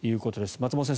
松本先生